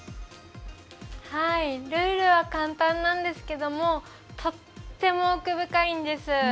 ルールは簡単なんですけどもとっても奥深いんです。